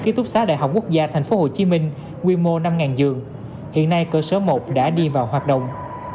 ký túc xá đại học quốc gia thành phố hồ chí minh quy mô năm giường hiện nay cơ sở một đã đi vào hoạt động